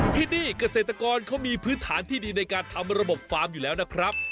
ที่นี่เกษตรกรเขามีพื้นฐานที่ดีในการทำระบบฟาร์มอยู่แล้วนะครับ